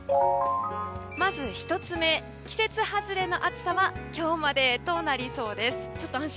まず１つ目、季節外れの暑さは今日までとなりそうです。